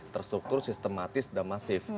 terstruktur sistematis dan masif